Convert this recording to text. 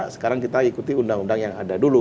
sekarang kita ikuti undang undang yang ada dulu